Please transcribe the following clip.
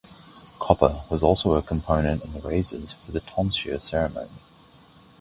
Copper was also a component in the razors for the tonsure ceremony.